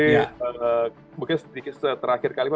nanti mungkin sedikit terakhir kali pak